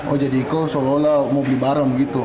oh jadi itu seolah olah mau beli barang gitu